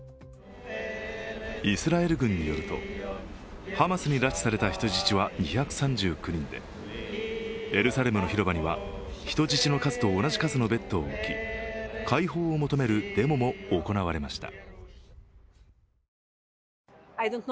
イスラエル軍によると、ハマスに拉致された人質は２３９人でエルサレムの広場には人質の数と同じ数のベッドを置き解放を求めるデモも行われました。